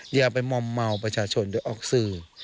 อย่าไปมอมเมาประชาชนโดยออกสื่อ